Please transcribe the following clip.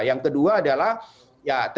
yang kedua adalah ya tentu katakanlah kebijakan kita